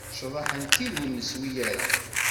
Cḍeḥ n tid ur neswi ara.